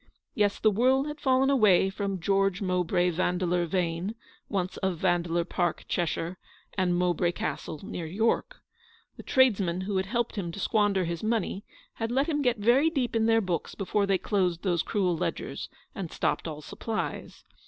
Yes, the world had fallen away from George Mowbray Vandeleur Vane, once of Vandeleur Park, Cheshire, and Mowbray Castle, near York. The tradesmen who had helped him to squander his money had let him get very deep in their books before they closed those cruel ledgers, and Xb ELEANORS VICTORY. stopped all supplies.